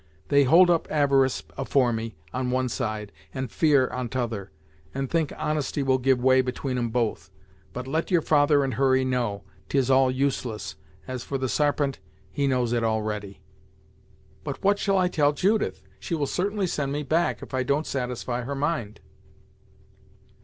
They hold up avarice afore me, on one side, and fear on t'other, and think honesty will give way atween 'em both. But let your father and Hurry know, 'tis all useless; as for the Sarpent, he knows it already." "But what shall I tell Judith? She will certainly send me back, if I don't satisfy her mind."